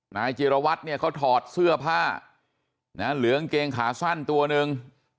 นายจิรวัตรเนี่ยเขาถอดเสื้อผ้าเหลืองเกงขาสั้นตัวหนึ่ง